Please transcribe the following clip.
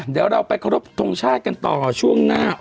เดี๋ยวเราไปเคารพทงชาติกันต่อช่วงหน้า